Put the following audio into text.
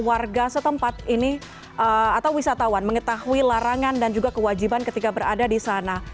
warga setempat ini atau wisatawan mengetahui larangan dan juga kewajiban ketika berada di sana